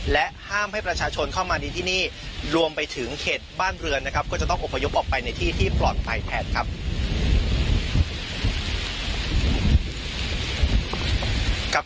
และห้ามให้ประชาชนเข้ามาในที่นี่รวมไปถึงเขตบ้านเรือนนะครับก็จะต้องอบพยพออกไปในที่ที่ปลอดภัยแทนครับ